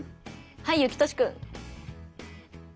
はいゆきとしくん。